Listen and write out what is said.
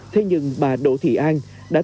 thế nhưng bà đỗ thị an đã